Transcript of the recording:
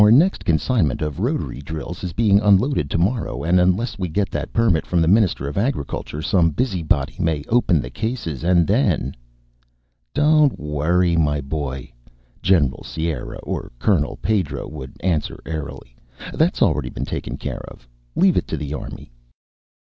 "Our 72 next consignment of rotary drills is being unloaded tomorrow, and un less we get that permit from the Minister of Agriculture, some busy body may open the cases and then ..." "Don't worry, my boy," Gen eral Sierra or Colonel Pedro would answer airily, "that's already taken care of. Leave it to the Army."